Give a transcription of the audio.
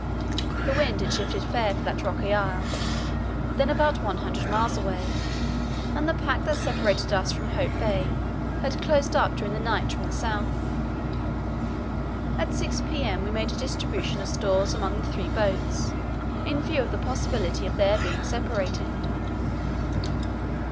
The wind had shifted fair for that rocky isle, then about one hundred miles away, and the pack that separated us from Hope Bay had closed up during the night from the south. At 6 p.m. we made a distribution of stores among the three boats, in view of the possibility of their being separated.